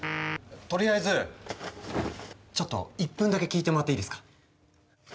とりあえずちょっと１分だけ聞いてもらっていいですか？